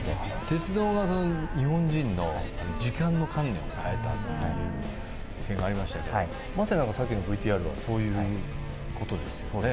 鉄道が日本人の時間の観念を変えたっていう意見がありましたけれどまさにさっきのＶＴＲはそういう事ですよね。